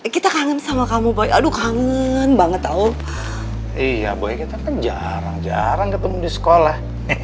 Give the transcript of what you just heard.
kita kangen sama kamu boy aduh kangen banget tahu iya boy kita kejar jarang ketemu di sekolah